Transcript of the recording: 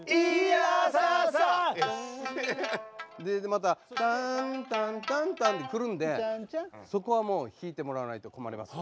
またターンタンタンタンってくるんでそこはもう弾いてもらわないと困ります。